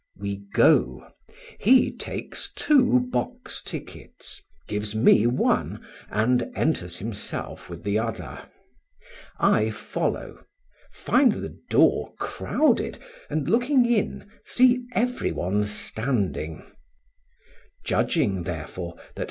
We go: he takes two box tickets, gives me one, and enters himself with the other; I follow, find the door crowded; and, looking in, see every one standing; judging, therefore, that M.